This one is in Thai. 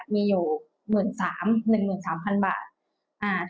มีอยู่๑๓๐๐๑๓๐๐๐บาท